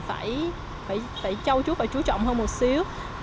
phải châu trúc và chú trọng hơn một xíu